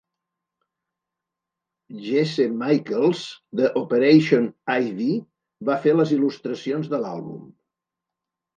Jesse Michaels de Operation Ivy va fer les il·lustracions de l'àlbum.